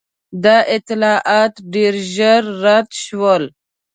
دا اطلاعات ډېر ژر رد شول.